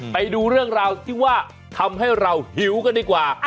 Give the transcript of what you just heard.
ไปดูเรื่องราวที่ว่าทำให้เราหิวกันดีกว่า